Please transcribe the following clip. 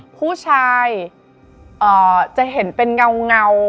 ผู้ชายจะเห็นเป็นเงา